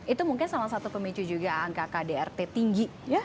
itu mungkin salah satu pemicu juga angka kdrt tinggi ya